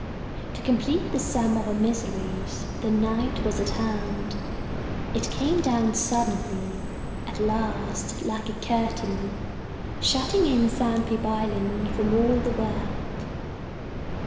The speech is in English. To complete the sum of our miseries, the night was at hand. It came down suddenly, at last, like a curtain, shutting in Sandpeep island from all the world.